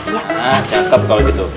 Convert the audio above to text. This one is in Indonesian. nah cakep kalau gitu